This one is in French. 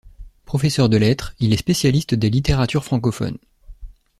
Professeur de lettres, il est spécialiste des littératures francophones.